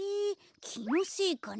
きのせいかな。